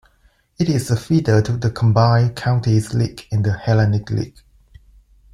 It is a feeder to the Combined Counties League and the Hellenic League.